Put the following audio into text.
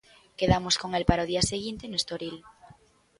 Quedamos con el para o día seguinte no Estoril.